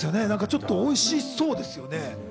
ちょっとおいしそうですよね。